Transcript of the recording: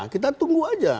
kita tunggu aja